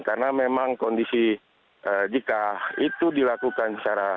karena memang kondisi jika itu dilakukan secara